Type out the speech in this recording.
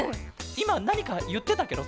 いまなにかいってたケロ？